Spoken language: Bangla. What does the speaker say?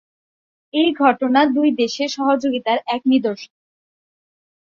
এই ঘটনা দুই দেশের সহযোগিতার এক নিদর্শন।